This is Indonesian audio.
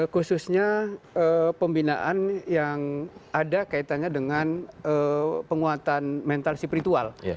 khususnya pembinaan yang ada kaitannya dengan penguatan mental spiritual